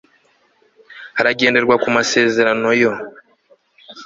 hakagenderwa ku masezerano yo